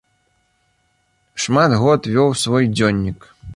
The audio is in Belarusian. Шмат год вёў свой дзённік.